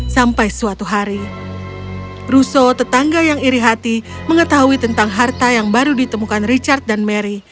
sampai suatu hari russo tetangga yang iri hati mengetahui tentang harta yang baru ditemukan richard dan mary